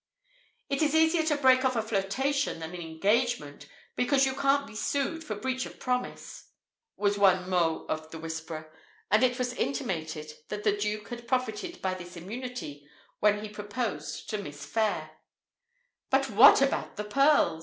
"It is easier to break off a flirtation than an engagement, because you can't be sued for breach of promise," was one mot of "The Whisperer," and it was intimated that the Duke had profited by this immunity when he proposed to Miss Phayre. "But what about the pearls?"